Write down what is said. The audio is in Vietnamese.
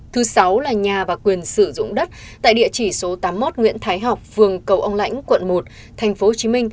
thứ sáu là nhà và quyền sử dụng đất tại địa chỉ số tám mươi một nguyễn thái học phường cầu ông lãnh quận một tp hcm